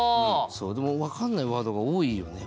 でも分かんないワードが多いよね。